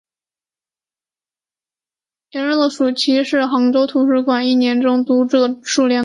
炎热的暑期是杭州图书馆一年中读者数量最多的时期。